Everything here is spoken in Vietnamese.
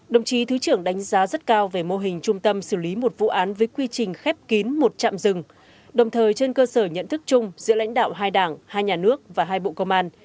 đồng chí thứ trưởng đánh giá rất cao về mô hình trung tâm xử lý một vụ án với quy trình khép kín một chạm rừng đồng thời trên cơ sở nhận thức chung giữa lãnh đạo hai đảng hai nhà nước và hai bộ công an